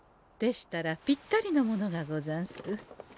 でしたらぴったりのものがござんす。